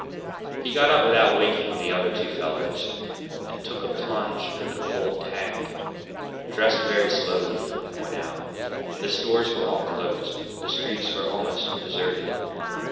He got up without waking the other two fellows and took a plunge in the cold tank, dressed very slowly, and went out. The stores were all closed, the streets were almost deserted.